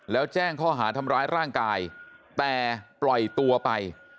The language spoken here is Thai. แล้วแจ้งข้อหาทำร้ายร่างกายแต่ปล่อยตัวไป